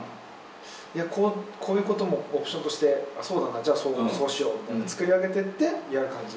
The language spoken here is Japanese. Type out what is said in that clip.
いや、こういうこともオプションとしてそうだな、じゃあそうしようみたいな、作り上げてってやる感じ。